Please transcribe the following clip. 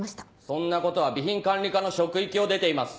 そんなことは備品管理課の職域を出ています。